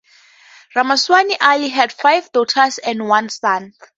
Ramaswami Iyer had five daughters and one son.